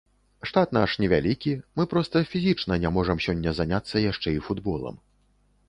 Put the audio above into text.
Штат наш невялікі, мы проста фізічна не можам сёння заняцца яшчэ і футболам.